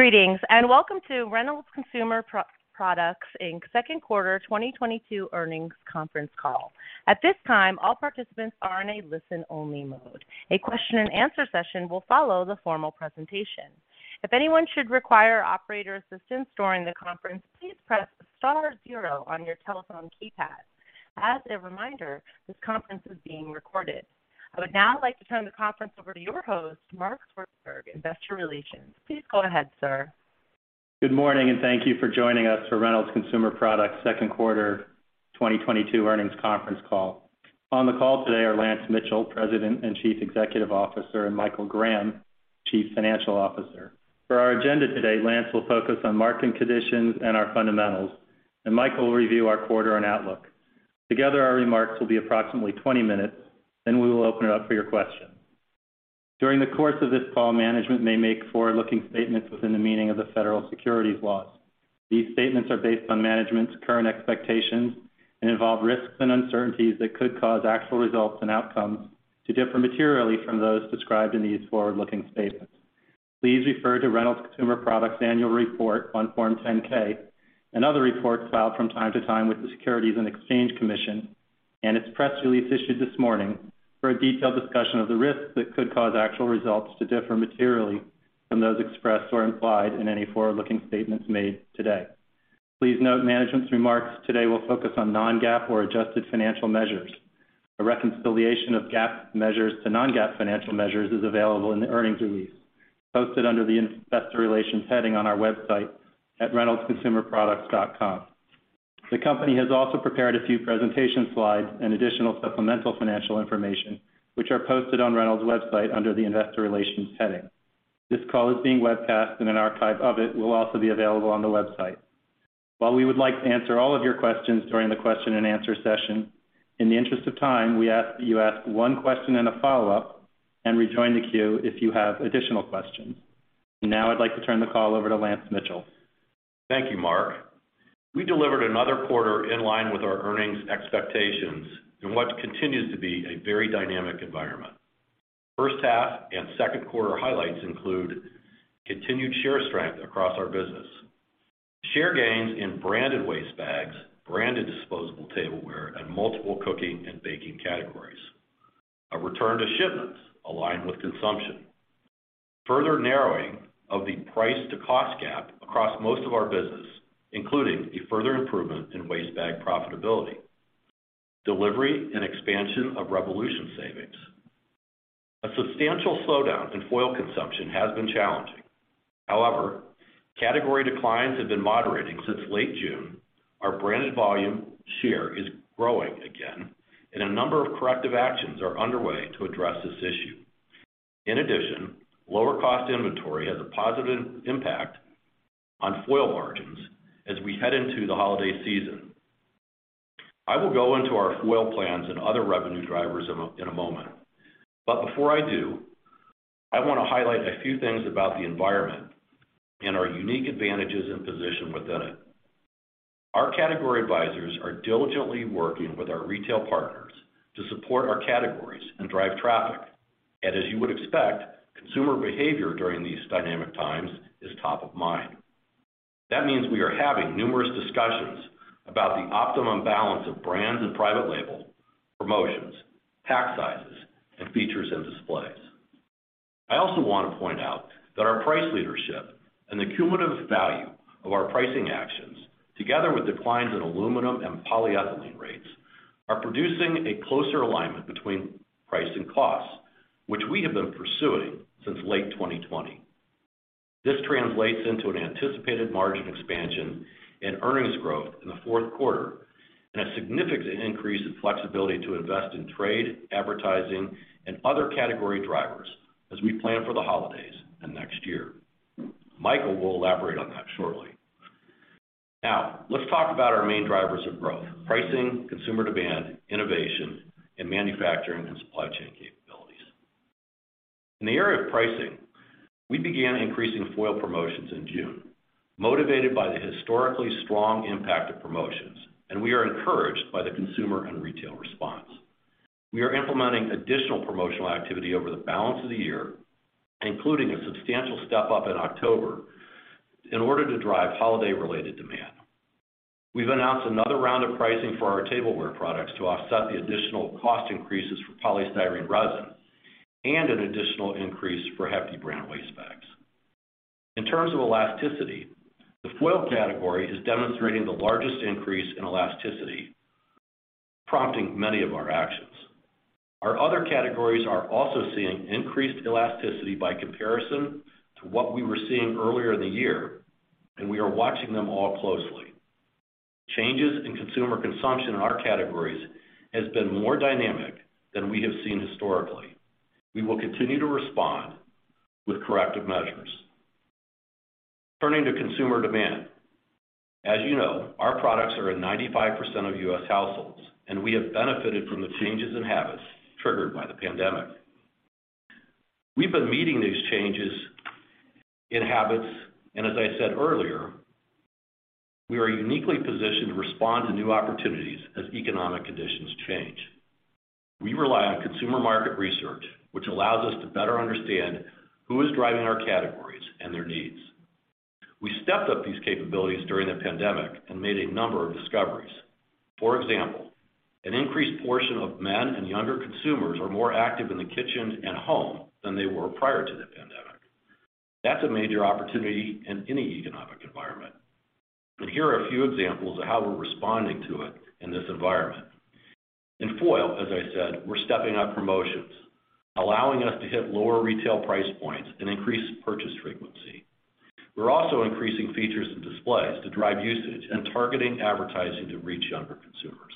Greetings, and welcome to Reynolds Consumer Products Inc.'s second quarter 2022 earnings conference call. At this time, all participants are in a listen-only mode. A question-and-answer session will follow the formal presentation. If anyone should require operator assistance during the conference, please press star zero on your telephone keypad. As a reminder, this conference is being recorded. I would now like to turn the conference over to your host, Mark Swartzberg, Investor Relations. Please go ahead, sir. Good morning, and thank you for joining us for Reynolds Consumer Products' second quarter 2022 earnings conference call. On the call today are Lance Mitchell, President and Chief Executive Officer, and Michael Graham, Chief Financial Officer. For our agenda today, Lance will focus on market conditions and our fundamentals, and Mike will review our quarter and outlook. Together, our remarks will be approximately 20 minutes, then we will open it up for your questions. During the course of this call, management may make forward-looking statements within the meaning of the federal securities laws. These statements are based on management's current expectations and involve risks and uncertainties that could cause actual results and outcomes to differ materially from those described in these forward-looking statements. Please refer to Reynolds Consumer Products Annual Report on Form 10-K and other reports filed from time to time with the Securities and Exchange Commission and its press release issued this morning for a detailed discussion of the risks that could cause actual results to differ materially from those expressed or implied in any forward-looking statements made today. Please note management's remarks today will focus on non-GAAP or adjusted financial measures. A reconciliation of GAAP measures to non-GAAP financial measures is available in the earnings release posted under the Investor Relations heading on our website at reynoldsconsumerproducts.com. The company has also prepared a few presentation slides and additional supplemental financial information, which are posted on Reynolds' website under the Investor Relations heading. This call is being webcast and an archive of it will also be available on the website. While we would like to answer all of your questions during the question-and-answer session, in the interest of time, we ask that you ask one question and a follow-up and rejoin the queue if you have additional questions. Now I'd like to turn the call over to Lance Mitchell. Thank you, Mark. We delivered another quarter in line with our earnings expectations in what continues to be a very dynamic environment. First half and second quarter highlights include continued share strength across our business. Share gains in branded waste bags, branded disposable tableware, and multiple cooking and baking categories. A return to shipments aligned with consumption. Further narrowing of the price-to-cost gap across most of our business, including a further improvement in waste bag profitability. Delivery and expansion of Reyvolution Savings. A substantial slowdown in foil consumption has been challenging. However, category declines have been moderating since late June, our branded volume share is growing again, and a number of corrective actions are underway to address this issue. In addition, lower cost inventory has a positive impact on foil margins as we head into the holiday season. I will go into our foil plans and other revenue drivers in a moment. Before I do, I want to highlight a few things about the environment and our unique advantages and position within it. Our category advisors are diligently working with our retail partners to support our categories and drive traffic. As you would expect, consumer behavior during these dynamic times is top of mind. That means we are having numerous discussions about the optimum balance of brands and private label, promotions, pack sizes, and features and displays. I also want to point out that our price leadership and the cumulative value of our pricing actions, together with declines in aluminum and polyethylene rates, are producing a closer alignment between price and cost, which we have been pursuing since late 2020. This translates into an anticipated margin expansion and earnings growth in the fourth quarter and a significant increase in flexibility to invest in trade, advertising, and other category drivers as we plan for the holidays and next year. Michael will elaborate on that shortly. Now, let's talk about our main drivers of growth, pricing, consumer demand, innovation, and manufacturing and supply chain capabilities. In the area of pricing, we began increasing foil promotions in June, motivated by the historically strong impact of promotions, and we are encouraged by the consumer and retail response. We are implementing additional promotional activity over the balance of the year, including a substantial step-up in October, in order to drive holiday-related demand. We've announced another round of pricing for our tableware products to offset the additional cost increases for polystyrene resin and an additional increase for Hefty brand waste bags. In terms of elasticity, the foil category is demonstrating the largest increase in elasticity, prompting many of our actions. Our other categories are also seeing increased elasticity by comparison to what we were seeing earlier in the year, and we are watching them all closely. Changes in consumer consumption in our categories has been more dynamic than we have seen historically. We will continue to respond with corrective measures. Turning to consumer demand. As you know, our products are in 95% of U.S. households, and we have benefited from the changes in habits triggered by the pandemic. We've been meeting these changes in habits, and as I said earlier. We are uniquely positioned to respond to new opportunities as economic conditions change. We rely on consumer market research, which allows us to better understand who is driving our categories and their needs. We stepped up these capabilities during the pandemic and made a number of discoveries. For example, an increased portion of men and younger consumers are more active in the kitchen and home than they were prior to the pandemic. That's a major opportunity in any economic environment. Here are a few examples of how we're responding to it in this environment. In foil, as I said, we're stepping up promotions, allowing us to hit lower retail price points and increase purchase frequency. We're also increasing features and displays to drive usage and targeting advertising to reach younger consumers.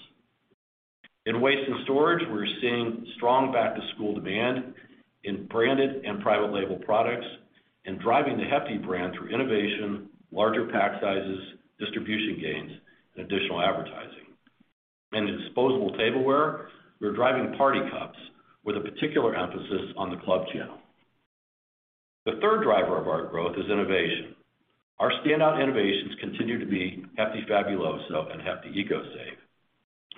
In waste and storage, we're seeing strong back-to-school demand in branded and private label products and driving the Hefty brand through innovation, larger pack sizes, distribution gains, and additional advertising. In disposable tableware, we're driving party cups with a particular emphasis on the club channel. The third driver of our growth is innovation. Our standout innovations continue to be Hefty Fabuloso and Hefty ECOSAVE,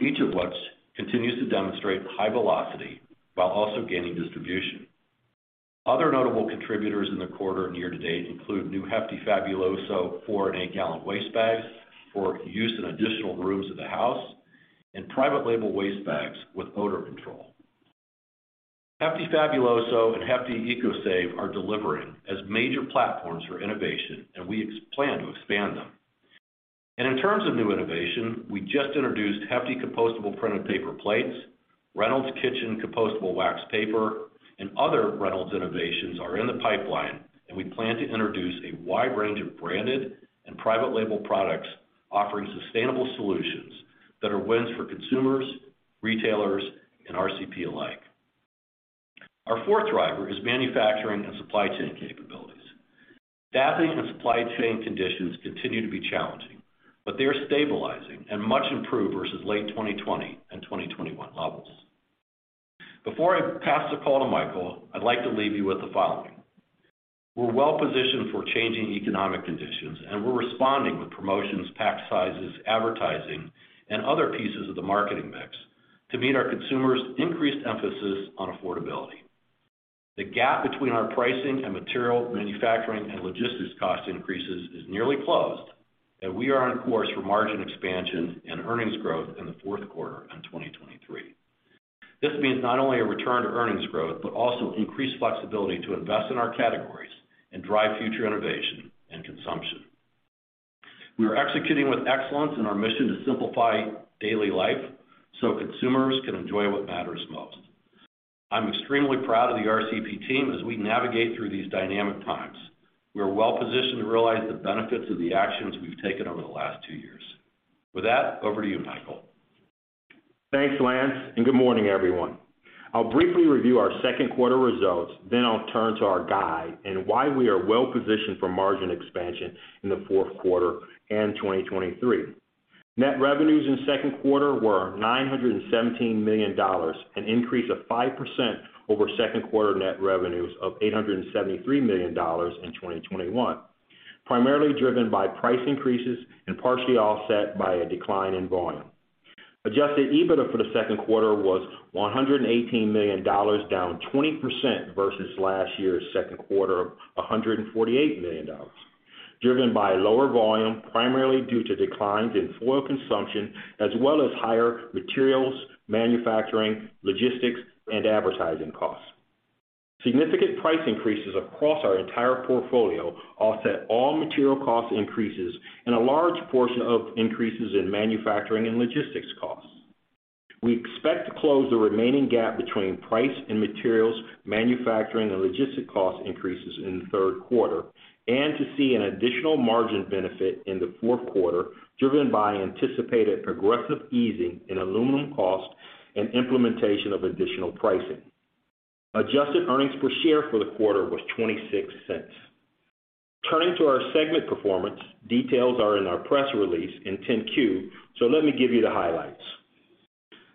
each of which continues to demonstrate high velocity while also gaining distribution. Other notable contributors in the quarter and year to date include new Hefty Fabuloso 4-gallon waste and 8-gallon waste bags for use in additional rooms of the house and private label waste bags with odor control. Hefty Fabuloso and Hefty ECOSAVE are delivering as major platforms for innovation, and we plan to expand them. In terms of new innovation, we just introduced Hefty Compostable Printed Paper Plates, Reynolds Kitchens Compostable Wax Paper, and other Reynolds innovations are in the pipeline, and we plan to introduce a wide range of branded and private label products offering sustainable solutions that are wins for consumers, retailers, and RCP alike. Our fourth driver is manufacturing and supply chain capabilities. Staffing and supply chain conditions continue to be challenging, but they are stabilizing and much improved versus late 2020 and 2021 levels. Before I pass the call to Michael, I'd like to leave you with the following. We're well-positioned for changing economic conditions, and we're responding with promotions, pack sizes, advertising, and other pieces of the marketing mix to meet our consumers' increased emphasis on affordability. The gap between our pricing and material, manufacturing, and logistics cost increases is nearly closed, and we are on course for margin expansion and earnings growth in the fourth quarter and 2023. This means not only a return to earnings growth, but also increased flexibility to invest in our categories and drive future innovation and consumption. We are executing with excellence in our mission to simplify daily life so consumers can enjoy what matters most. I'm extremely proud of the RCP team as we navigate through these dynamic times. We are well-positioned to realize the benefits of the actions we've taken over the last two years. With that, over to you, Michael. Thanks, Lance, and good morning, everyone. I'll briefly review our second quarter results, then I'll turn to our guide and why we are well-positioned for margin expansion in the fourth quarter and 2023. Net revenues in second quarter were $917 million, an increase of 5% over second quarter net revenues of $873 million in 2021, primarily driven by price increases and partially offset by a decline in volume. Adjusted EBITDA for the second quarter was $118 million, down 20% versus last year's second quarter of $148 million, driven by lower volume, primarily due to declines in foil consumption as well as higher materials, manufacturing, logistics, and advertising costs. Significant price increases across our entire portfolio offset all material cost increases and a large portion of increases in manufacturing and logistics costs. We expect to close the remaining gap between price and materials, manufacturing, and logistics cost increases in the third quarter and to see an additional margin benefit in the fourth quarter, driven by anticipated progressive easing in aluminum cost and implementation of additional pricing. Adjusted earnings per share for the quarter was $0.26. Turning to our segment performance, details are in our press release in 10-Q, so let me give you the highlights.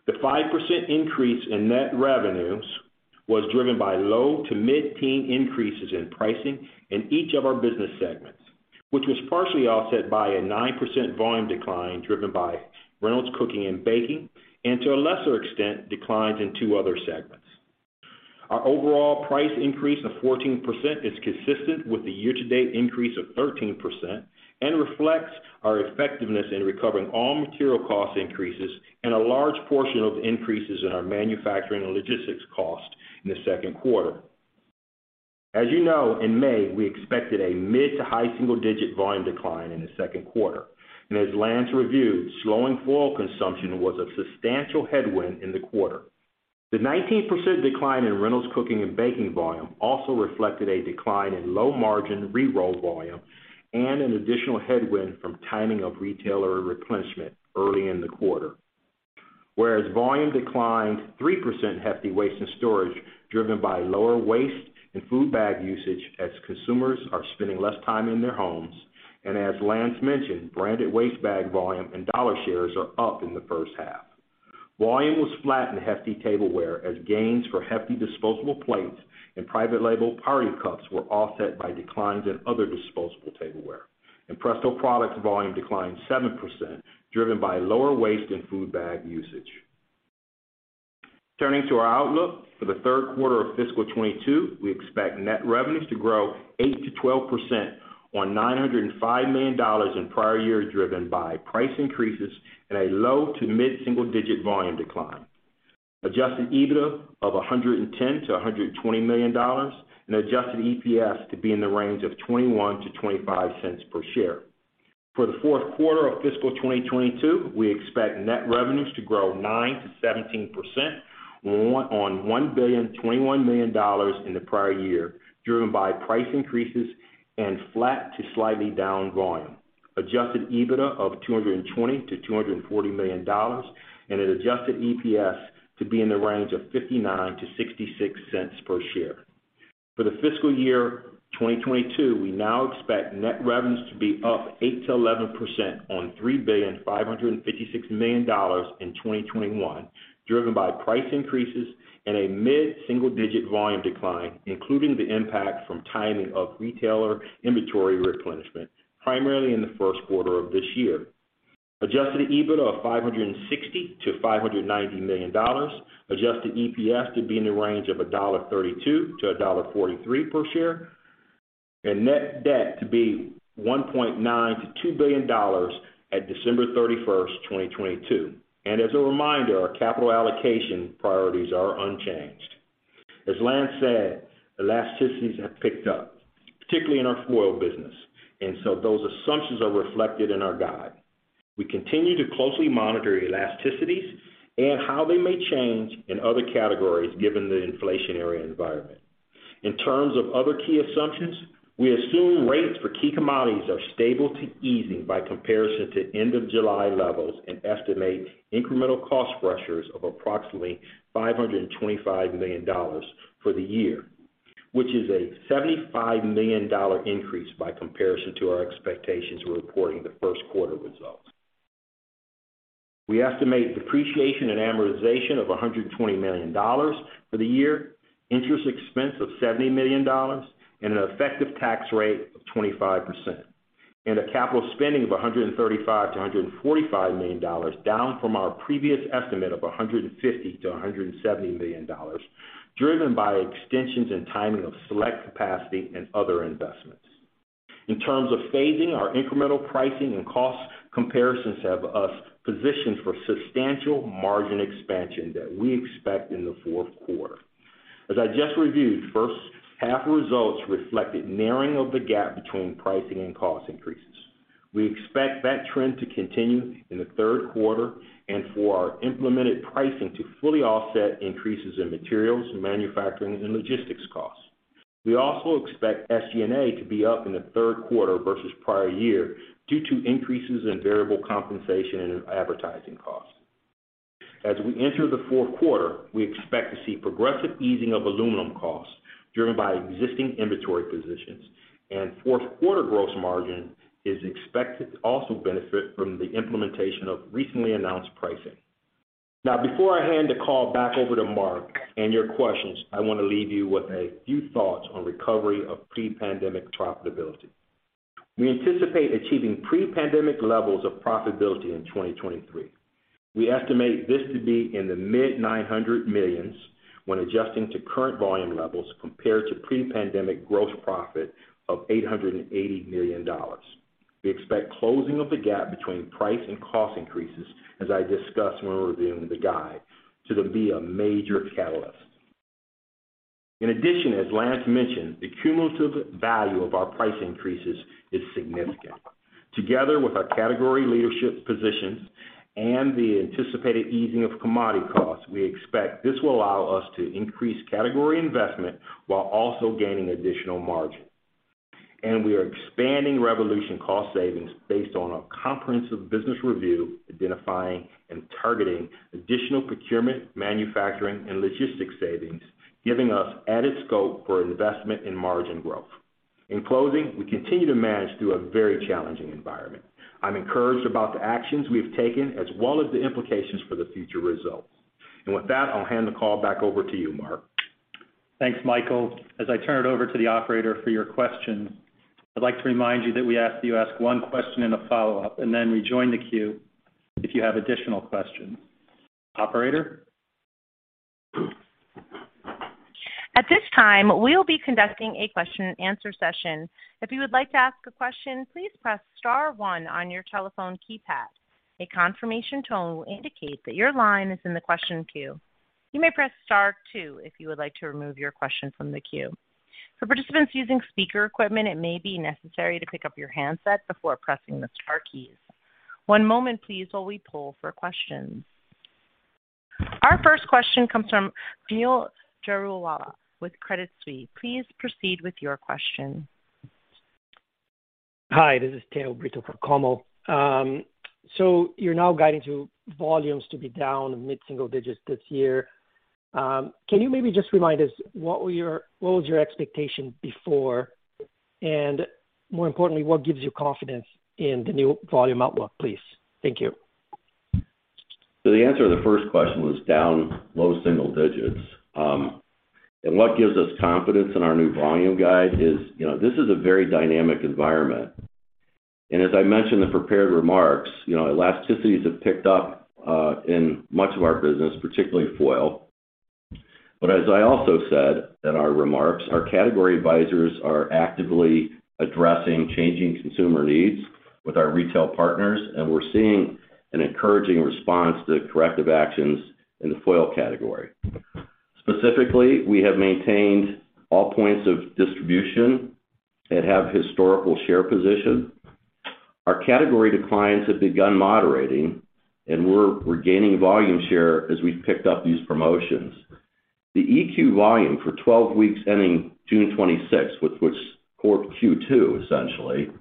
The 5% increase in net revenues was driven by low- to mid-teen increases in pricing in each of our business segments, which was partially offset by a 9% volume decline driven by Reynolds Cooking & Baking, and to a lesser extent, declines in two other segments. Our overall price increase of 14% is consistent with the year-to-date increase of 13% and reflects our effectiveness in recovering all material cost increases and a large portion of increases in our manufacturing and logistics cost in the second quarter. As you know, in May, we expected a mid to high single-digit volume decline in the second quarter. As Lance reviewed, slowing foil consumption was a substantial headwind in the quarter. The 19% decline in Reynolds Cooking & Baking volume also reflected a decline in low-margin reroll volume and an additional headwind from timing of retailer replenishment early in the quarter. Whereas volume declined 3% in Hefty Waste & Storage, driven by lower waste and food bag usage as consumers are spending less time in their homes. As Lance mentioned, branded waste bag volume and dollar shares are up in the first half. Volume was flat in Hefty Tableware as gains for Hefty disposable plates and private label party cups were offset by declines in other disposable tableware. Presto Products volume declined 7%, driven by lower waste and food bag usage. Turning to our outlook for the third quarter of fiscal 2022, we expect net revenues to grow 8%-12% on $905 million in prior years, driven by price increases and a low to mid-single digit volume decline. Adjusted EBITDA of $110 million-$120 million and adjusted EPS to be in the range of $0.21-$0.25 per share. For the fourth quarter of fiscal 2022, we expect net revenues to grow 9%-17% on $1.021 billion in the prior year, driven by price increases and flat to slightly down volume. Adjusted EBITDA of $220 million-$240 million, and an Adjusted EPS to be in the range of $0.59-$0.66 per share. For the fiscal year 2022, we now expect net revenues to be up 8%-11% on $3.556 billion in 2021, driven by price increases and a mid-single-digit volume decline, including the impact from timing of retailer inventory replenishment, primarily in the first quarter of this year. Adjusted EBITDA of $560 million-$590 million. Adjusted EPS to be in the range of $1.32-$1.43 per share. Net debt to be $1.9 billion-$2 billion at December 31, 2022. As a reminder, our capital allocation priorities are unchanged. As Lance said, elasticities have picked up, particularly in our foil business. Those assumptions are reflected in our guide. We continue to closely monitor elasticities and how they may change in other categories given the inflationary environment. In terms of other key assumptions, we assume rates for key commodities are stable to easing by comparison to end of July levels and estimate incremental cost pressures of approximately $525 million for the year, which is a $75 million increase by comparison to our expectations when reporting the first quarter results. We estimate depreciation and amortization of $120 million for the year, interest expense of $70 million, and an effective tax rate of 25%, and capital spending of $135 million-$145 million, down from our previous estimate of $150 million-$170 million, driven by extensions and timing of select capacity and other investments. In terms of phasing, our incremental pricing and cost comparisons have us positioned for substantial margin expansion that we expect in the fourth quarter. As I just reviewed, first half results reflected narrowing of the gap between pricing and cost increases. We expect that trend to continue in the third quarter and for our implemented pricing to fully offset increases in materials, manufacturing, and logistics costs. We also expect SG&A to be up in the third quarter versus prior year due to increases in variable compensation and advertising costs. As we enter the fourth quarter, we expect to see progressive easing of aluminum costs driven by existing inventory positions, and fourth quarter gross margin is expected to also benefit from the implementation of recently announced pricing. Now, before I hand the call back over to Mark and your questions, I want to leave you with a few thoughts on recovery of pre-pandemic profitability. We anticipate achieving pre-pandemic levels of profitability in 2023. We estimate this to be in the mid $900 millions when adjusting to current volume levels compared to pre-pandemic gross profit of $880 million. We expect closing of the gap between price and cost increases, as I discussed when reviewing the guide, to then be a major catalyst. In addition, as Lance mentioned, the cumulative value of our price increases is significant. Together with our category leadership positions and the anticipated easing of commodity costs, we expect this will allow us to increase category investment while also gaining additional margin. We are expanding Reyvolution cost savings based on a comprehensive business review, identifying and targeting additional procurement, manufacturing, and logistics savings, giving us added scope for investment in margin growth. In closing, we continue to manage through a very challenging environment. I'm encouraged about the actions we've taken as well as the implications for the future results. With that, I'll hand the call back over to you, Mark. Thanks, Michael. As I turn it over to the operator for your questions, I'd like to remind you that we ask that you ask one question and a follow-up, and then rejoin the queue if you have additional questions. Operator? At this time, we will be conducting a question and answer session. If you would like to ask a question, please press star one on your telephone keypad. A confirmation tone will indicate that your line is in the question queue. You may press star two if you would like to remove your question from the queue. For participants using speaker equipment, it may be necessary to pick up your handset before pressing the star keys. One moment please while we poll for questions. Our first question comes from Kaumil Gajrawala with Credit Suisse. Please proceed with your question. Hi, this is Theo Brito for Kaumil. So you're now guiding to volumes to be down mid-single digits this year. Can you maybe just remind us what was your expectation before? More importantly, what gives you confidence in the new volume outlook, please? Thank you. The answer to the first question was down low single digits. What gives us confidence in our new volume guide is, you know, this is a very dynamic environment. As I mentioned in the prepared remarks, you know, elasticities have picked up in much of our business, particularly foil. As I also said in our remarks, our category advisors are actively addressing changing consumer needs with our retail partners, and we're seeing an encouraging response to corrective actions in the foil category. Specifically, we have maintained all points of distribution that have historical share position. Our category declines have begun moderating, and we're gaining volume share as we picked up these promotions. The EQ volume for 12 weeks ending June 26, which was core Q2, essentially,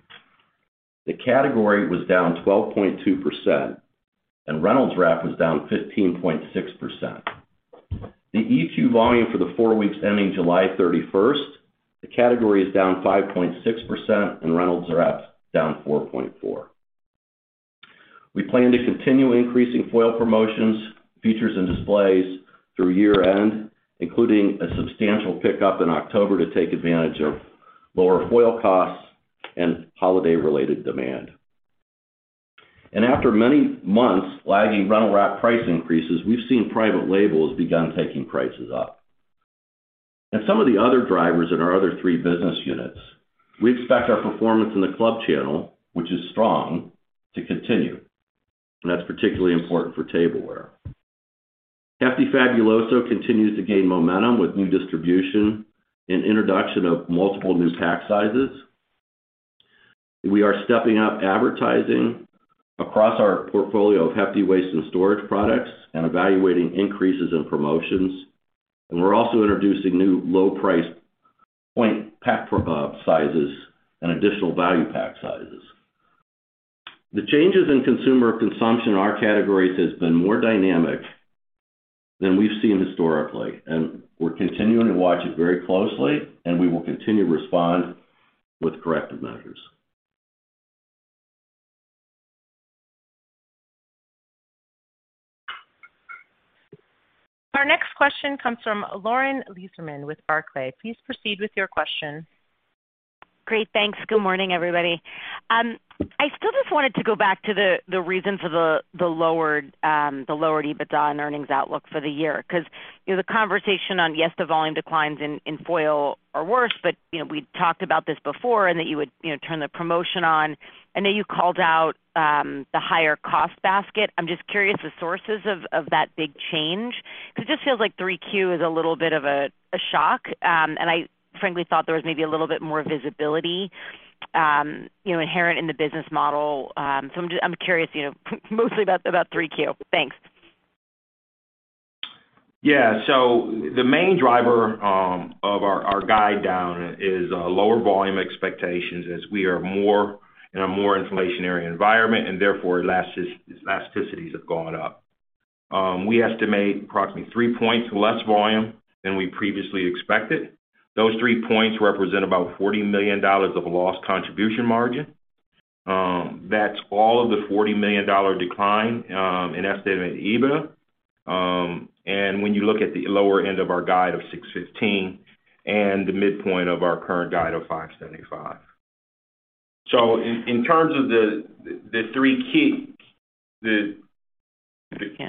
the category was down 12.2%, and Reynolds Wrap was down 15.6%. The EQ volume for the four weeks ending July 31st, the category is down 5.6% and Reynolds Wrap down 4.4%. We plan to continue increasing foil promotions, features, and displays through year-end, including a substantial pickup in October to take advantage of lower foil costs and holiday-related demand. After many months lagging Reynolds Wrap price increases, we've seen private labels begin taking prices up. Now some of the other drivers in our other three business units, we expect our performance in the club channel, which is strong, to continue, and that's particularly important for tableware. Hefty Fabuloso continues to gain momentum with new distribution and introduction of multiple new pack sizes. We are stepping up advertising across our portfolio of Hefty waste and storage products and evaluating increases in promotions. We're also introducing new low price point pack sizes and additional value pack sizes. The changes in consumer consumption in our categories has been more dynamic than we've seen historically, and we're continuing to watch it very closely, and we will continue to respond with corrective measures. Our next question comes from Lauren Lieberman with Barclays. Please proceed with your question. Great, thanks. Good morning, everybody. I still just wanted to go back to the reason for the lowered EBITDA and earnings outlook for the year. You know, the conversation on, yes, the volume declines in foil are worse, but you know, we talked about this before and that you would turn the promotion on, and now you called out the higher cost basket. I'm just curious the sources of that big change because it just feels like 3Q is a little bit of a shock. I frankly thought there was maybe a little bit more visibility, you know, inherent in the business model. I'm curious, you know, mostly about 3Q. Thanks. Yeah. The main driver of our guide down is lower volume expectations as we are more in an inflationary environment and therefore elasticities have gone up. We estimate approximately 3 points less volume than we previously expected. Those 3 points represent about $40 million of lost contribution margin. That's all of the $40 million decline in estimated EBITDA, and when you look at the lower end of our guide of $615 and the midpoint of our current guide of $575. In terms of the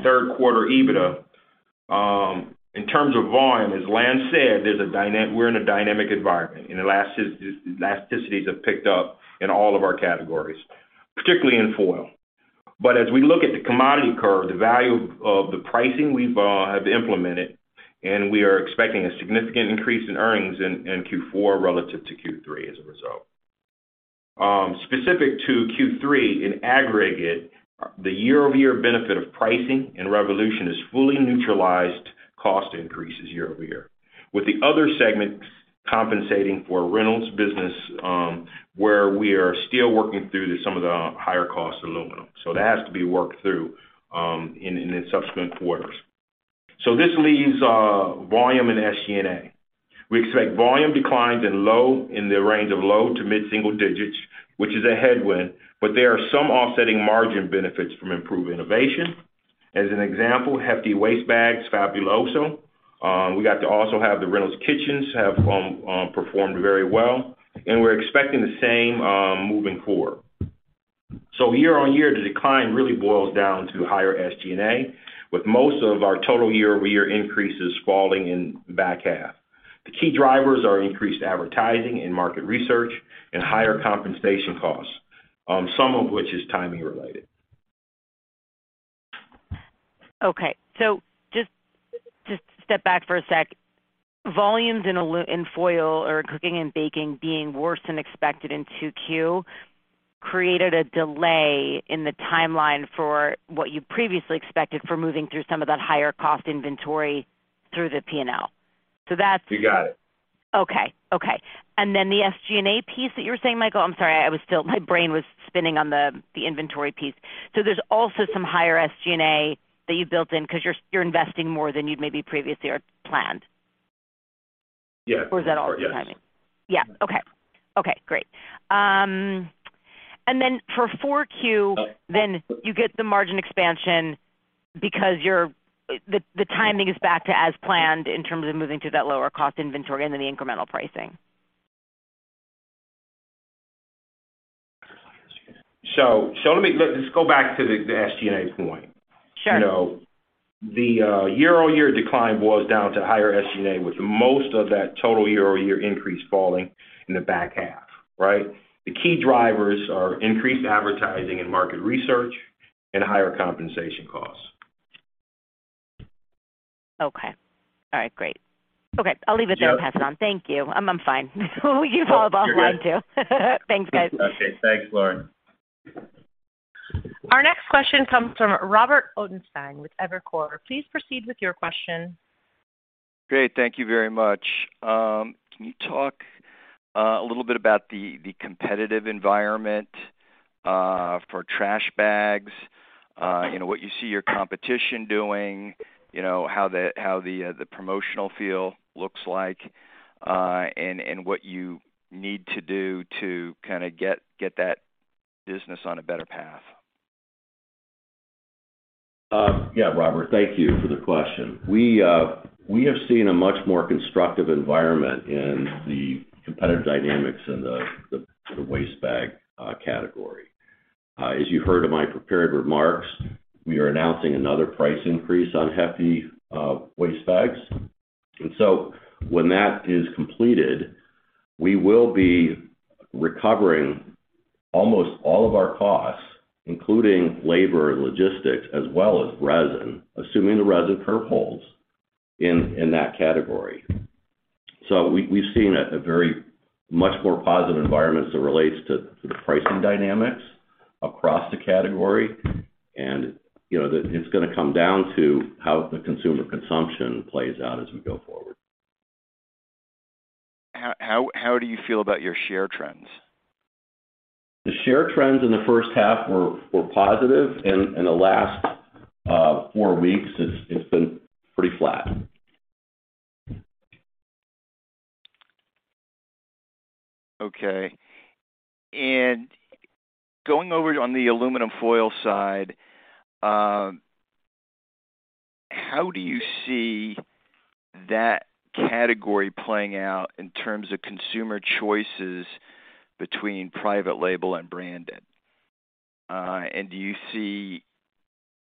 third quarter EBITDA, in terms of volume, as Lance said, we're in a dynamic environment, and elasticities have picked up in all of our categories, particularly in foil. As we look at the commodity curve, the value of the pricing we have implemented, and we are expecting a significant increase in earnings in Q4 relative to Q3 as a result. Specific to Q3, in aggregate, the year-over-year benefit of pricing and Reyvolution is fully neutralized cost increases year-over-year, with the other segments compensating for Reynolds business, where we are still working through some of the higher cost aluminum. That has to be worked through in the subsequent quarters. This leaves volume and SG&A. We expect volume declines in the range of low- to mid-single-digit %, which is a headwind, but there are some offsetting margin benefits from improved innovation. As an example, Hefty Ultra Strong Fabuloso. The Reynolds Kitchens have performed very well, and we're expecting the same moving forward. Year-on-year, the decline really boils down to higher SG&A, with most of our total year-over-year increases falling in back half. The key drivers are increased advertising and market research and higher compensation costs, some of which is timing related. Okay. Just step back for a sec. Volumes in foil or cooking and baking being worse than expected in 2Q created a delay in the timeline for what you previously expected for moving through some of that higher cost inventory through the P&L. That's You got it. Okay. Then the SG&A piece that you were saying, Michael, I'm sorry, I was still, my brain was spinning on the inventory piece. There's also some higher SG&A that you've built in because you're investing more than you'd maybe previously had planned? Is that all for timing? Yeah. Okay. Okay, great. Then for Q4, you get the margin expansion because the timing is back to as planned in terms of moving to that lower cost inventory and then the incremental pricing. Let's go back to the SG&A point. Sure. You know, the year-over-year decline boils down to higher SG&A, with most of that total year-over-year increase falling in the back half, right? The key drivers are increased advertising and market research and higher compensation costs. Okay. All right, great. Okay, I'll leave it there and pass it on. Thank you. I'm fine. Who are you calling offline to? Thanks, guys. Okay, thanks, Lauren. Our next question comes from Robert Ottenstein with Evercore. Please proceed with your question. Great. Thank you very much. Can you talk a little bit about the competitive environment for trash bags, you know, what you see your competition doing, you know, how the promotional field looks like, and what you need to do to kind of get that business on a better path? Yeah, Robert, thank you for the question. We have seen a much more constructive environment in the competitive dynamics in the waste bag category. As you heard in my prepared remarks, we are announcing another price increase on Hefty waste bags. When that is completed, we will be recovering almost all of our costs, including labor and logistics, as well as resin, assuming the resin curve holds in that category. We've seen a very much more positive environment as it relates to the pricing dynamics across the category. You know, it's gonna come down to how the consumer consumption plays out as we go forward. How do you feel about your share trends? The share trends in the first half were positive. In the last four weeks, it's been pretty flat. Okay. Going over on the aluminum foil side, how do you see that category playing out in terms of consumer choices between private label and branded? Do you see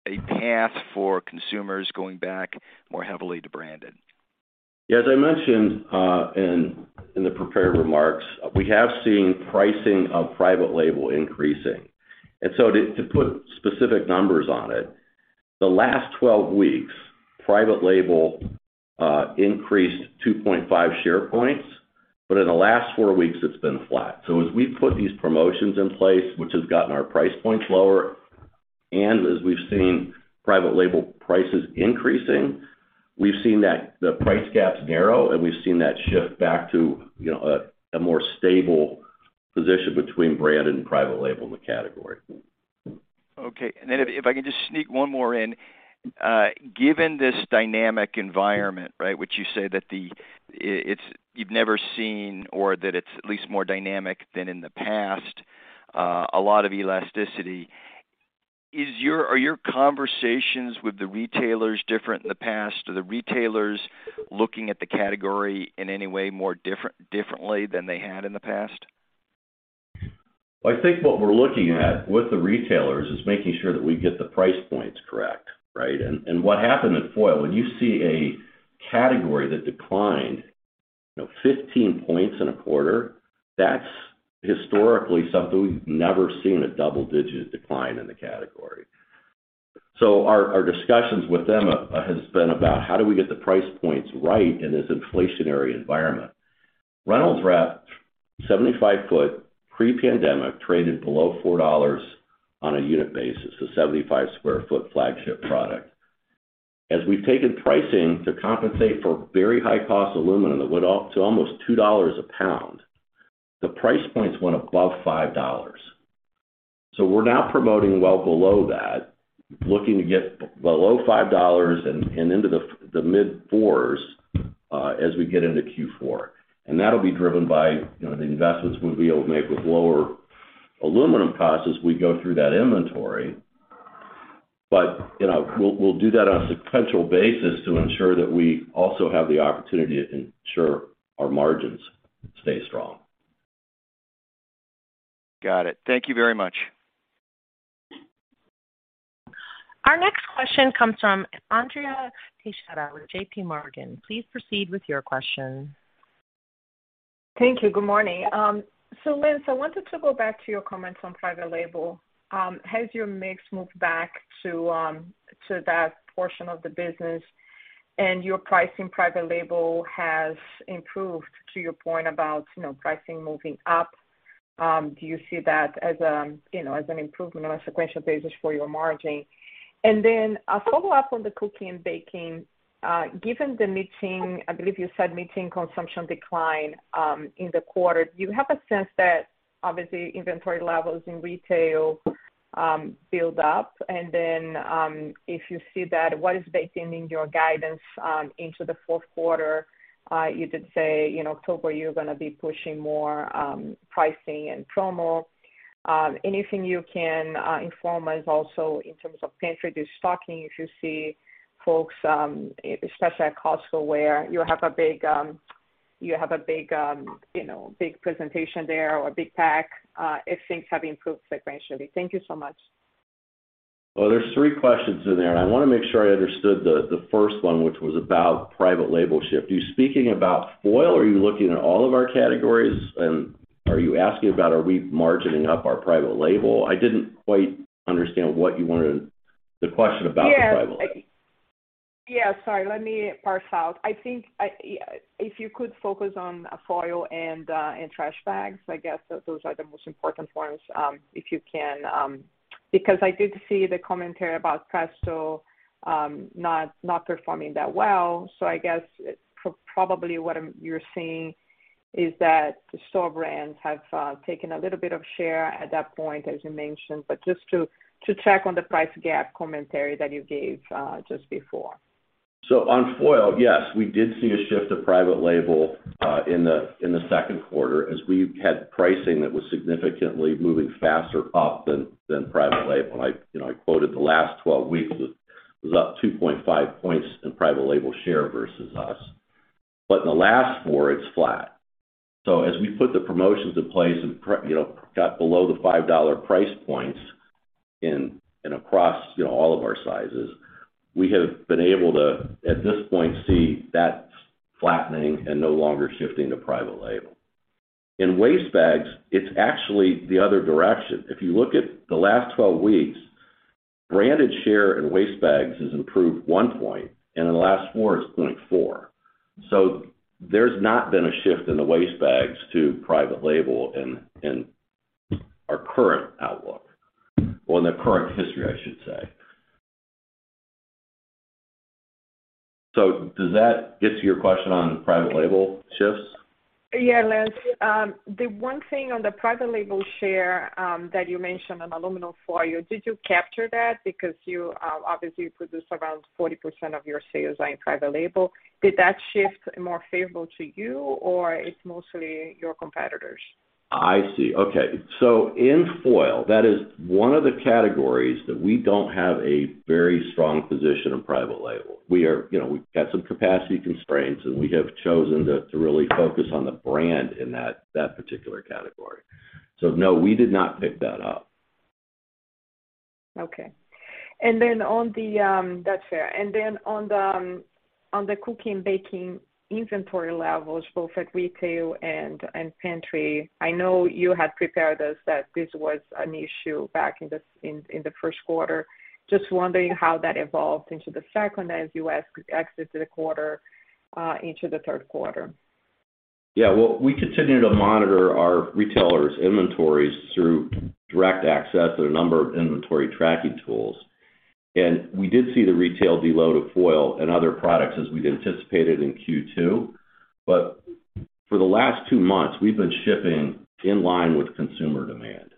a path for consumers going back more heavily to branded? Yeah, as I mentioned, in the prepared remarks, we have seen pricing of private label increasing. To put specific numbers on it, the last 12 weeks, private label increased 2.5 share points, but in the last four weeks, it's been flat. As we put these promotions in place, which has gotten our price points lower, and as we've seen private label prices increasing, we've seen that the price gaps narrow, and we've seen that shift back to, you know, a more stable position between brand and private label in the category. Okay. Then if I can just sneak one more in. Given this dynamic environment, right, which you say that you've never seen or that it's at least more dynamic than in the past, a lot of elasticity. Are your conversations with the retailers different in the past? Are the retailers looking at the category in any way more differently than they had in the past? I think what we're looking at with the retailers is making sure that we get the price points correct, right? What happened at foil, when you see a category that declined, you know, 15% in a quarter, that's historically something we've never seen, a double-digit decline in the category. Our discussions with them has been about how do we get the price points right in this inflationary environment. Reynolds Wrap 75-Foot pre-pandemic traded below $4 on a unit basis, the 75-Square-Foot flagship product. As we've taken pricing to compensate for very high cost aluminum that went up to almost $2 a pound, the price points went above $5. We're now promoting well below that, looking to get below $5 and into the mid fours as we get into Q4. That'll be driven by, you know, the investments we'll be able to make with lower aluminum costs as we go through that inventory. You know, we'll do that on a sequential basis to ensure that we also have the opportunity to ensure our margins stay strong. Got it. Thank you very much. Our next question comes from Andrea Teixeira with JP Morgan. Please proceed with your question. Thank you. Good morning. Lance, I wanted to go back to your comments on private label. Has your mix moved back to that portion of the business and your private label pricing has improved to your point about, you know, pricing moving up? Do you see that as, you know, as an improvement on a sequential basis for your margin? A follow-up on the cooking and baking, given the moderating, I believe you said moderating consumption decline, in the quarter. Do you have a sense that obviously inventory levels in retail build up? If you see that, what is baked into your guidance into the fourth quarter? You did say, you know, October, you're gonna be pushing more pricing and promo. Anything you can inform us also in terms of pantry restocking, if you see folks especially at Costco, where you have a big presentation there, or big pack, if things have improved sequentially. Thank you so much. Well, there's three questions in there, and I wanna make sure I understood the first one, which was about private label shift. You speaking about foil, or are you looking at all of our categories? And are you asking about, are we margining up our private label? I didn't quite understand what you wanted the question about the private label. Yes, sorry. Let me parse out. I think if you could focus on foil and trash bags. I guess those are the most important ones, if you can. Because I did see the commentary about Presto not performing that well. I guess probably what you're seeing is that the store brands have taken a little bit of share at that point, as you mentioned. Just to check on the price gap commentary that you gave just before. On foil, yes, we did see a shift to private label in the second quarter, as we had pricing that was significantly moving faster up than private label. You know, I quoted the last 12 weeks was up 2.5 points in private label share versus us. In the last four, it's flat. As we put the promotions in place and you know, got below the $5 price points in and across, you know, all of our sizes, we have been able to at this point see that flattening and no longer shifting to private label. In waste bags, it's actually the other direction. If you look at the last 12 weeks, branded share in waste bags has improved one point, and in the last four, it's 0.4. There's not been a shift in the waste bags to private label in our current outlook. In the current history, I should say. Does that get to your question on private label shifts? Yeah, Lance. The one thing on the private label share that you mentioned on aluminum foil, did you capture that? Because you obviously produce around 40% of your sales are in private label. Did that shift more favorable to you, or it's mostly your competitors? I see. Okay. In foil, that is one of the categories that we don't have a very strong position in private label. We are, you know, we've got some capacity constraints, and we have chosen to really focus on the brand in that particular category. So no, we did not pick that up. Okay. That's fair. Then on the cooking, baking inventory levels, both at retail and pantry, I know you had prepared us that this was an issue back in the first quarter. Just wondering how that evolved into the second, as you exited the quarter, into the third quarter. Yeah. Well, we continue to monitor our retailers' inventories through direct access to a number of inventory tracking tools. We did see the retail deload of foil and other products as we'd anticipated in Q2. For the last two months, we've been shipping in line with consumer demand.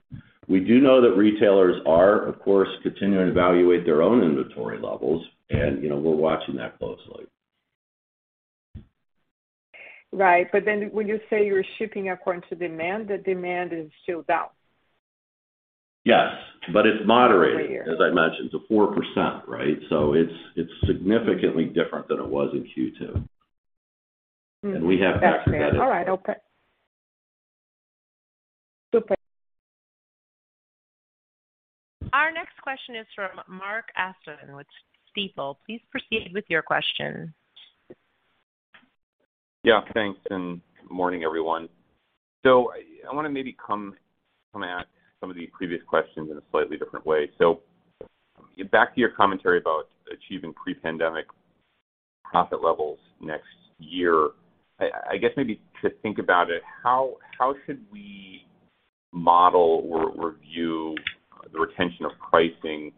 We do know that retailers are, of course, continuing to evaluate their own inventory levels and, you know, we're watching that closely. Right. When you say you're shipping according to demand, the demand is still down. Yes, it's moderated, as I mentioned, to 4%, right? It's significantly different than it was in Q2. Mm. We have factored that. That's fair. All right. I'll be super. Our next question is from Mark Astrachan with Stifel. Please proceed with your question. Yeah, thanks, good morning, everyone. I wanna maybe come at some of the previous questions in a slightly different way. Back to your commentary about achieving pre-pandemic profit levels next year. I guess maybe to think about it, how should we model or review the retention of pricing,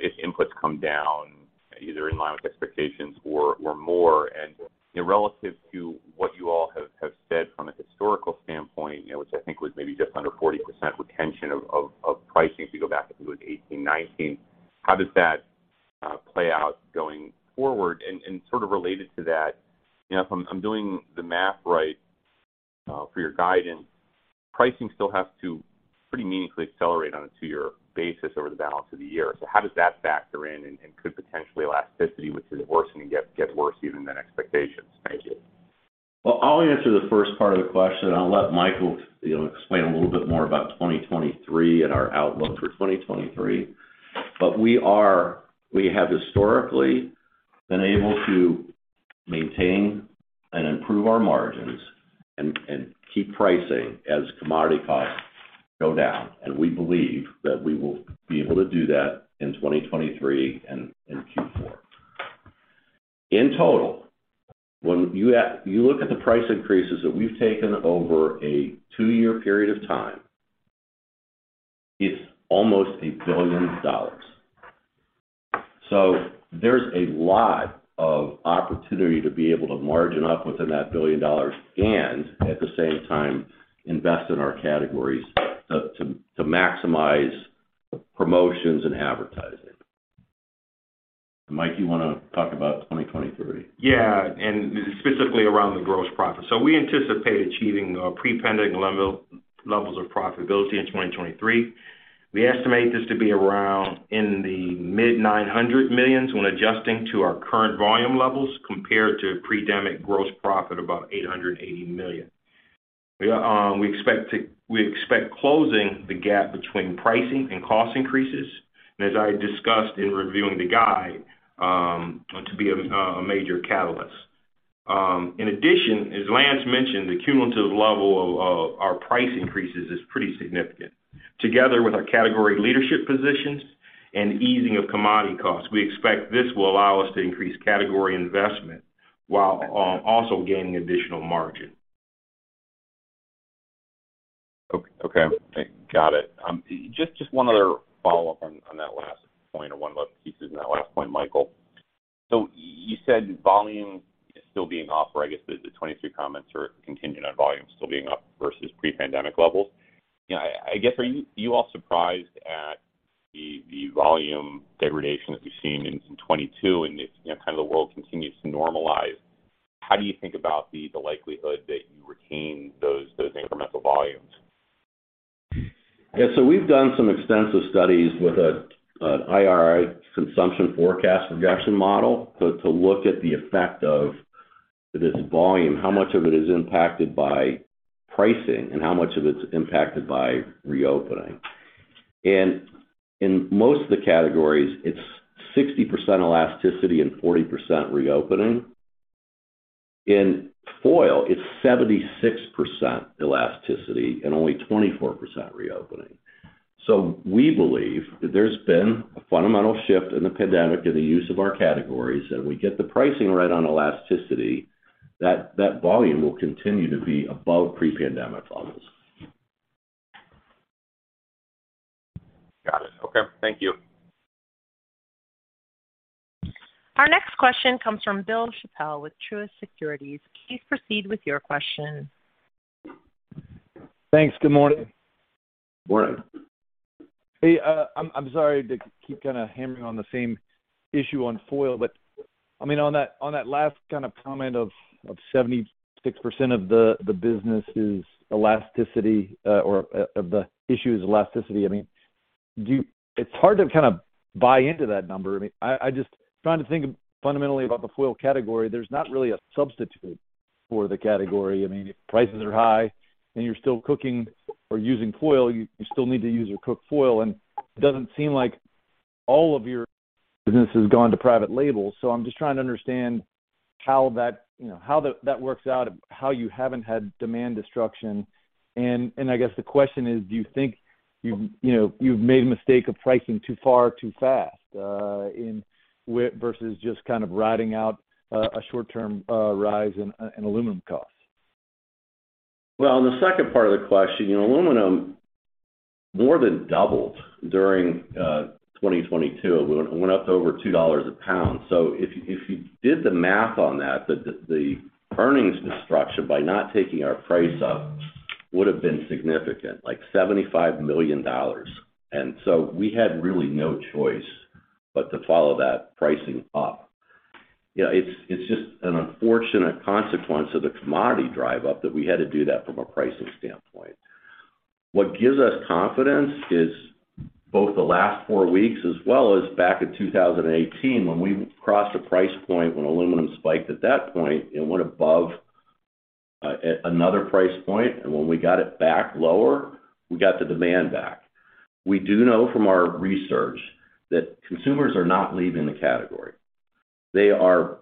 if inputs come down either in line with expectations or more? You know, relative to what you all have said from a historical standpoint, you know, which I think was maybe just under 40% retention of pricing, if you go back, I think it was 2018, 2019. How does that play out going forward? Sort of related to that, you know, if I'm doing the math right, for your guidance, pricing still has to pretty meaningfully accelerate on a two-year basis over the balance of the year. How does that factor in, and could price elasticity, which is worsening, get worse even than expectations? Thank you. Well, I'll answer the first part of the question, and I'll let Michael, you know, explain a little bit more about 2023 and our outlook for 2023. We have historically been able to maintain and improve our margins and keep pricing as commodity costs go down, and we believe that we will be able to do that in 2023 and in Q4. In total, when you look at the price increases that we've taken over a two-year period of time, it's almost $1 billion. There's a lot of opportunity to be able to margin up within that $1 billion and at the same time invest in our categories to maximize promotions and advertising. Mike, you wanna talk about 2023? Yeah, specifically around the gross profit. We anticipate achieving pre-pandemic levels of profitability in 2023. We estimate this to be around the mid-$900 million when adjusting to our current volume levels compared to pre-pandemic gross profit, about $880 million. We expect closing the gap between pricing and cost increases, and as I discussed in reviewing the guide, to be a major catalyst. In addition, as Lance mentioned, the cumulative level of our price increases is pretty significant. Together with our category leadership positions and easing of commodity costs, we expect this will allow us to increase category investment while also gaining additional margin. Okay. Got it. Just one other follow-up on that last point or one of those pieces in that last point, Michael. You said volume is still being off, or I guess the 2023 comments are contingent on volume still being up versus pre-pandemic levels. You know, I guess, are you all surprised at the volume degradation that we've seen in 2022 and if, you know, kind of the world continues to normalize, how do you think about the likelihood that you retain those incremental volumes? Yeah. We've done some extensive studies with an IRI consumption forecast regression model to look at the effect of this volume, how much of it is impacted by pricing, and how much of it is impacted by reopening. In most of the categories, it's 60% elasticity and 40% reopening. In foil, it's 76% elasticity and only 24% reopening. We believe that there's been a fundamental shift in the pandemic in the use of our categories that we get the pricing right on elasticity, that volume will continue to be above pre-pandemic levels. Got it. Okay, thank you. Our next question comes from Bill Chappell with Truist Securities. Please proceed with your question. Thanks. Good morning. Morning. Hey, I'm sorry to keep kinda hammering on the same issue on foil, but I mean, on that last kind of comment of 76% of the business is elasticity or of the issue is elasticity. I mean, do you. It's hard to kind of buy into that number. I mean, I just trying to think fundamentally about the foil category. There's not really a substitute for the category. I mean, if prices are high and you're still cooking or using foil, you still need to use or cook foil, and it doesn't seem like all of your business has gone to private label. I'm just trying to understand how that, you know, how that works or how you haven't had demand destruction. I guess the question is, do you think you've, you know, made a mistake of pricing too far too fast versus just kind of riding out a short-term rise in aluminum costs? Well, on the second part of the question, you know, aluminum more than doubled during 2022. It went up to over $2 a pound. So if you did the math on that, the earnings destruction by not taking our price up would have been significant, like $75 million. We had really no choice but to follow that pricing up. You know, it's just an unfortunate consequence of the commodity drive up that we had to do that from a pricing standpoint. What gives us confidence is both the last four weeks as well as back in 2018 when we crossed a price point when aluminum spiked at that point and went above another price point. When we got it back lower, we got the demand back. We do know from our research that consumers are not leaving the category. They are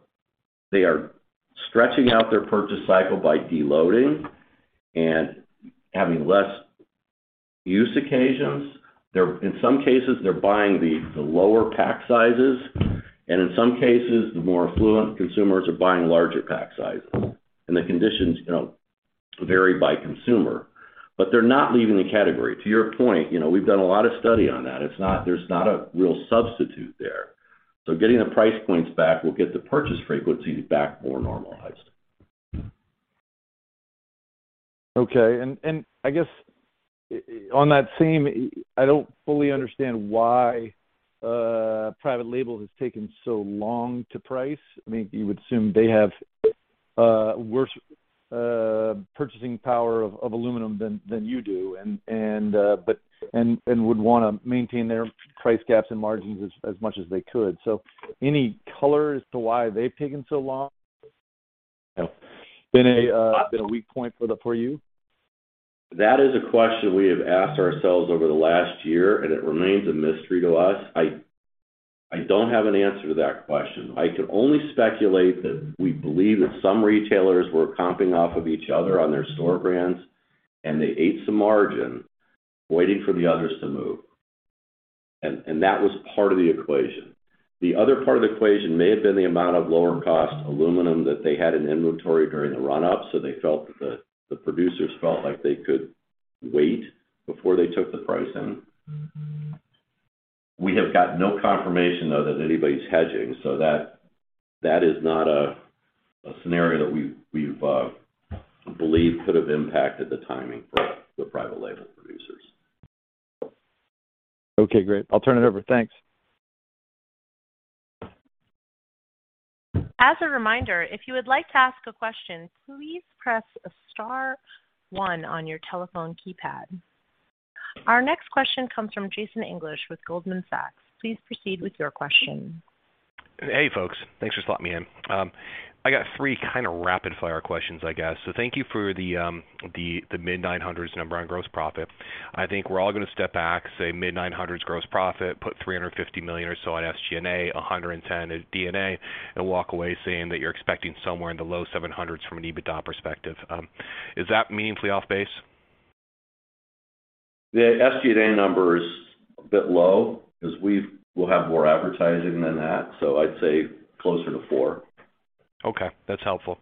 stretching out their purchase cycle by deloading and having less use occasions. In some cases, they're buying the lower pack sizes, and in some cases, the more affluent consumers are buying larger pack sizes. The conditions, you know, vary by consumer. They're not leaving the category. To your point, you know, we've done a lot of study on that. It's not. There's not a real substitute there. Getting the price points back will get the purchase frequencies back more normalized. Okay. I guess on that same, I don't fully understand why private label has taken so long to price. I mean, you would assume they have worse purchasing power of aluminum than you do and would wanna maintain their price gaps and margins as much as they could. Any color as to why they've taken so long? Been a weak point for you? That is a question we have asked ourselves over the last year, and it remains a mystery to us. I don't have an answer to that question. I can only speculate that we believe that some retailers were coming off of each other on their store brands, and they ate some margin waiting for the others to move. That was part of the equation. The other part of the equation may have been the amount of lower cost aluminum that they had in inventory during the run-up, so they felt that the producers felt like they could wait before they took the price in. We have got no confirmation, though, that anybody's hedging, so that is not a scenario that we believe could have impacted the timing for the private label producers. Okay, great. I'll turn it over. Thanks. As a reminder, if you would like to ask a question, please press star one on your telephone keypad. Our next question comes from Jason English with Goldman Sachs. Please proceed with your question. Hey, folks. Thanks for slotting me in. I got three kinda rapid fire questions, I guess. Thank you for the mid-900s number on gross profit. I think we're all gonna step back, say mid-900s gross profit, put $350 million or so on SG&A, $110 million as D&A, and walk away saying that you're expecting somewhere in the low 700s from an EBITDA perspective. Is that meaningfully off base? The SG&A number is a bit low because we'll have more advertising than that, so I'd say closer to four. Okay, that's helpful.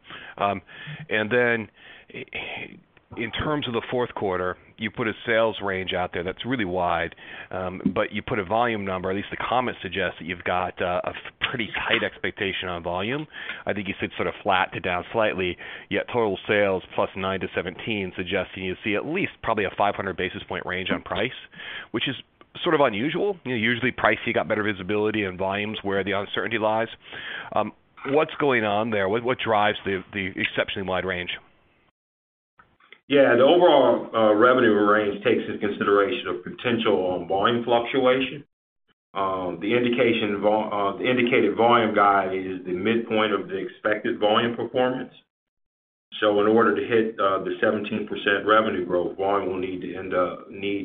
In terms of the fourth quarter, you put a sales range out there that's really wide. You put a volume number, at least the comments suggest that you've got a pretty tight expectation on volume. I think you said sort of flat to down slightly, yet total sales +9% to 17% suggesting you see at least probably a 500 basis points range on price, which is sort of unusual. You know, usually price, you got better visibility and volume's where the uncertainty lies. What's going on there? What drives the exceptionally wide range? Yeah. The overall revenue range takes into consideration of potential volume fluctuation. The indicated volume guide is the midpoint of the expected volume performance. In order to hit the 17% revenue growth, volume will need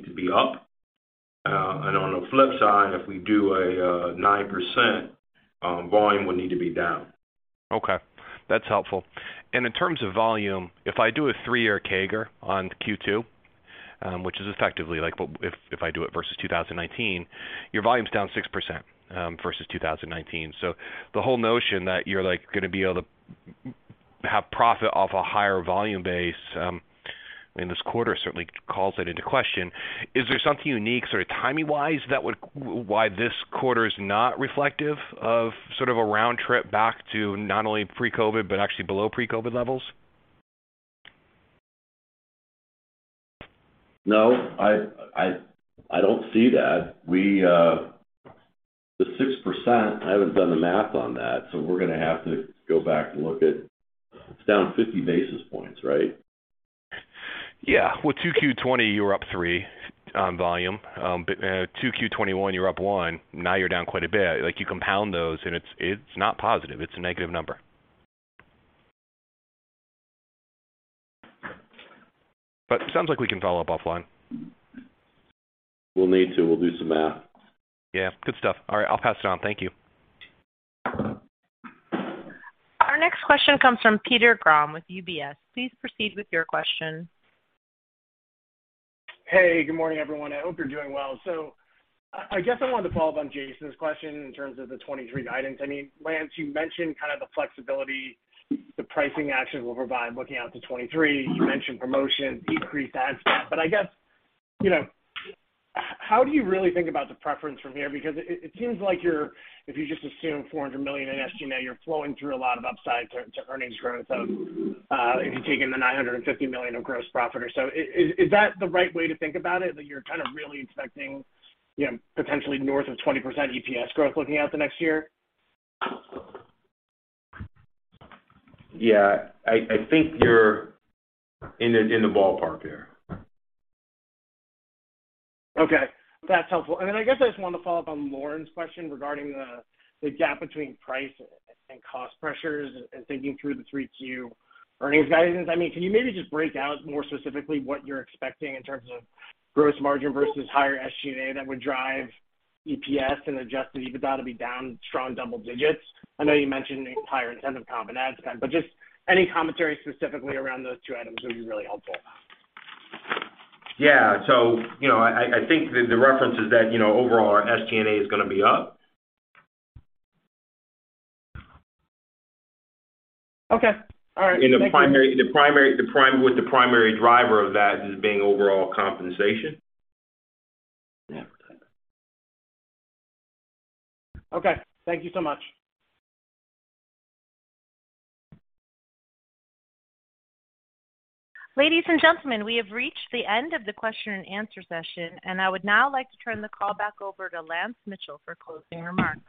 to be up. On the flip side, if we do a 9%, volume will need to be down. Okay, that's helpful. In terms of volume, if I do a three-year CAGR on Q2, which is effectively like what if I do it versus 2019, your volume's down 6%, versus 2019. The whole notion that you're, like, gonna be able to have profit off a higher volume base, I mean this quarter certainly calls it into question. Is there something unique sort of timing wise that would why this quarter is not reflective of sort of a round trip back to not only pre-COVID, but actually below pre-COVID levels? No, I don't see that. The 6%, I haven't done the math on that, so we're gonna have to go back and look at. It's down 50 basis points, right? Well, 2Q 2020, you were up 3% on volume. 2Q 2021, you're up 1%. Now you're down quite a bit. Like, you compound those, and it's not positive, it's a negative number. Sounds like we can follow up offline. We'll do some math. Yeah. Good stuff. All right, I'll pass it on. Thank you. Our next question comes from Peter Grom with UBS. Please proceed with your question. Hey, good morning, everyone. I hope you're doing well. I guess I wanted to follow up on Jason's question in terms of the 2023 guidance. I mean, Lance, you mentioned kind of the flexibility the pricing actions will provide looking out to 2023. You mentioned promotion, decreased ad spend. I guess, you know, how do you really think about the P&L from here? Because it seems like you're if you just assume $400 million in SG&A, you're flowing through a lot of upside to earnings growth of if you take in the $950 million of gross profit or so. Is that the right way to think about it, that you're kind of really expecting, you know, potentially north of 20% EPS growth looking out the next year? Yeah. I think you're in the ballpark there. Okay, that's helpful. Then I guess I just wanted to follow up on Lauren's question regarding the gap between price and cost pressures and thinking through the 3Q earnings guidance. I mean, can you maybe just break out more specifically what you're expecting in terms of gross margin versus higher SG&A that would drive EPS and Adjusted EBITDA to be down strong double digits? I know you mentioned higher incentive comp and ad spend, but just any commentary specifically around those two items would be really helpful. Yeah. You know, I think the reference is that, you know, overall our SG&A is gonna be up. Okay. All right. Thank you. With the primary driver of that just being overall compensation. Yeah. Okay. Thank you so much. Ladies and gentlemen, we have reached the end of the question and answer session, and I would now like to turn the call back over to Lance Mitchell for closing remarks.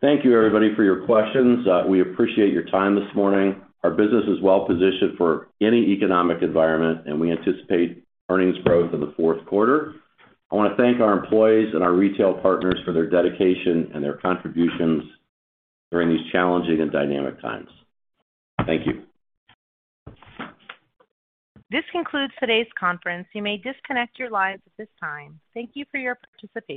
Thank you, everybody, for your questions. We appreciate your time this morning. Our business is well positioned for any economic environment, and we anticipate earnings growth in the fourth quarter. I wanna thank our employees and our retail partners for their dedication and their contributions during these challenging and dynamic times. Thank you. This concludes today's conference. You may disconnect your lines at this time. Thank you for your participation.